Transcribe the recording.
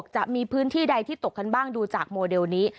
จะมีพื้นที่ใดที่ตกกันบ้างดูจากโมเดลนี้